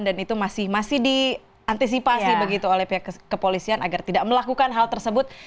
dan itu masih diantisipasi oleh pihak kepolisian agar tidak melakukan hal tersebut